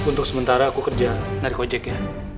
untuk sementara aku kerja narik ojek ya